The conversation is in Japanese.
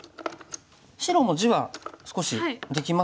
白も地は少しできますが。